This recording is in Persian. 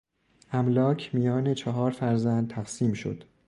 املاک میان چهار فرزند تقسیم شد.